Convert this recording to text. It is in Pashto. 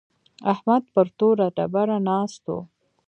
احمد پر توره ډبره ناست و.